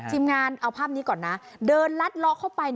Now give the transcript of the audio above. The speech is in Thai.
ทีมงานเอาภาพนี้ก่อนนะเดินลัดเลาะเข้าไป